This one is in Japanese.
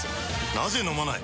なぜ飲まない？